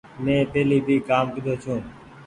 من پهلي ڀي ڪآم ڪيۮو ڇو۔